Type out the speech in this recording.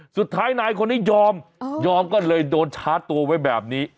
สุดท้ายนายคนนี้ยอมยอมก็เลยโดนชาร์จตัวไว้แบบนี้